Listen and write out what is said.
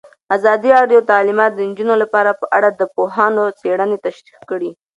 ازادي راډیو د تعلیمات د نجونو لپاره په اړه د پوهانو څېړنې تشریح کړې.